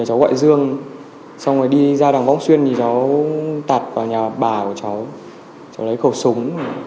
cháu gọi dương xong rồi đi ra đằng võng xuyên thì cháu tạt vào nhà bà của cháu cháu lấy khẩu súng